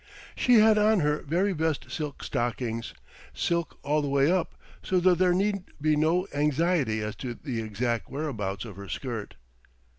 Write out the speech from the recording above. She had on her very best silk stockings, silk all the way up, so that there need be no anxiety as to the exact whereabouts of her skirt.